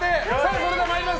それでは参ります。